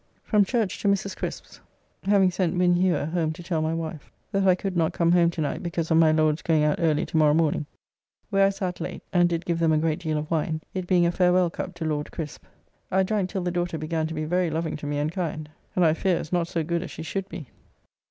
From church to Mrs. Crisp's (having sent Win. Hewer home to tell my wife that I could not come home to night because of my Lord's going out early to morrow morning), where I sat late, and did give them a great deal of wine, it being a farewell cup to Laud Crisp. I drank till the daughter began to be very loving to me and kind, and I fear is not so good as she should be.